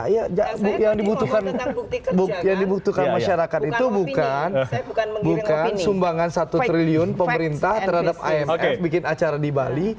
ya yang dibutuhkan masyarakat itu bukan sumbangan satu triliun pemerintah terhadap imf bikin acara di bali